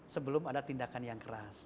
sebelum ada tindakan yang keras